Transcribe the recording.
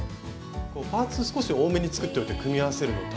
パーツ少し多めに作っておいて組み合わせるの楽しいですよね。